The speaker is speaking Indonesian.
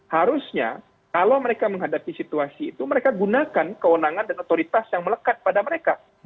harusnya kalau mereka menghadapi situasi itu mereka gunakan kewenangan dan otoritas yang melekat pada mereka